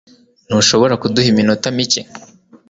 Ntushobora kuduha iminota mike?